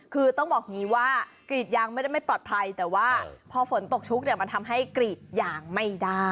คือต้องบอกอย่างนี้ว่ากรีดยางไม่ได้ไม่ปลอดภัยแต่ว่าพอฝนตกชุกเนี่ยมันทำให้กรีดยางไม่ได้